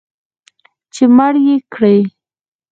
چې مړ یې کړي